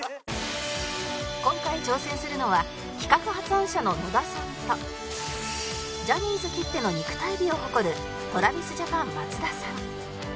今回挑戦するのは企画発案者の野田さんとジャニーズきっての肉体美を誇る ＴｒａｖｉｓＪａｐａｎ 松田さん